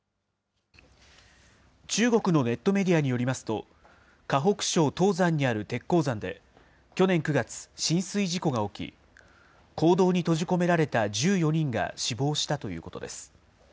中国のネットメディアによりますと、河北省唐山にある鉄鉱山で、去年９月、浸水事故が起き、坑道に閉じ込められた１４人が死亡したということです。